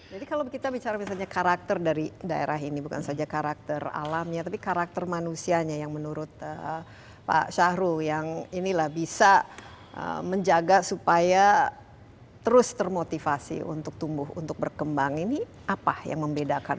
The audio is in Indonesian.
jadi kalau kita bicara misalnya karakter dari daerah ini bukan saja karakter alamnya tapi karakter manusianya yang menurut pak syahrul yang inilah bisa menjaga supaya terus termotivasi untuk tumbuh untuk berkembang ini apa yang membedakan